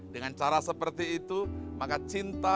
dengan cara seperti itu maka cinta